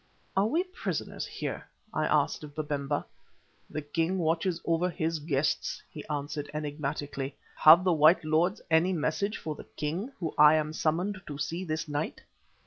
"Are we prisoners here?" I asked of Babemba. "The king watches over his guests," he answered enigmatically. "Have the white lords any message for the king whom I am summoned to see this night?"